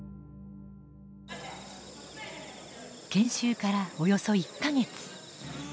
研修からおよそ１か月。